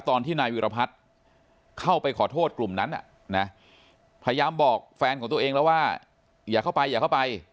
ตอนที่นายวิรพัฒน์เข้าไปขอโทษกลุ่มนั้นพยายามบอกแฟนของตัวเองแล้วว่าอย่าเข้าไปอย่าเข้าไป